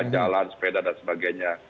jalan sepeda dan sebagainya